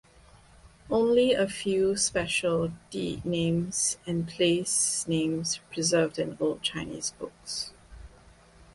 Only a few special Di names and place names preserved in old Chinese books.